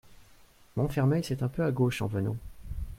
Montfermeil, c'est un peu à gauche en venant.